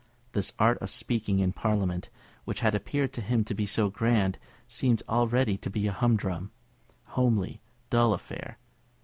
This art of speaking in Parliament, which had appeared to him to be so grand, seemed already to be a humdrum, homely, dull affair.